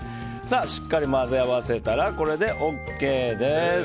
しっかり混ぜ合わせたらこれでＯＫです。